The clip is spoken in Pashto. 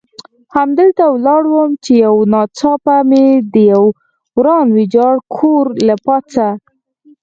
همدلته ولاړ وم، چې یو ناڅاپه مې د یوه وران ویجاړ کور له پاسه.